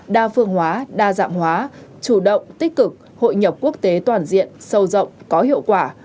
đa phương hóa đa dạng hóa chủ động tích cực hội nhập quốc tế toàn diện sâu rộng có hiệu quả